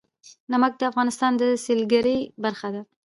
نمک د افغانستان د سیلګرۍ برخه ده.